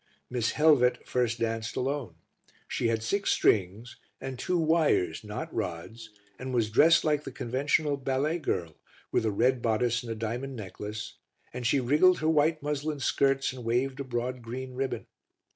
Miss Helvet first danced alone; she had six strings and two wires, not rods, and was dressed like the conventional ballet girl with a red bodice and a diamond necklace, and she wriggled her white muslin skirts and waved a broad green ribbon.